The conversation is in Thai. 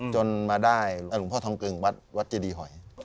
จนมาได้หลวงพ่อทองกึ่งวัดเจดีหอย